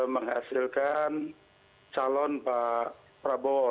menghasilkan calon pak prabowo